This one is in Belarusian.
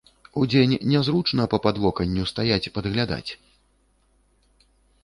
Удзень нязручна па падвоканню стаяць, падглядаць.